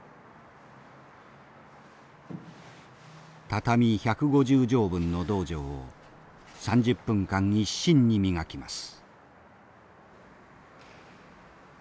畳１５０畳分の道場を３０分間一心に磨きます。